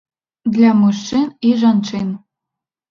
Для мужчын і жанчын.